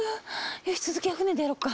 よし続きは船でやろっか。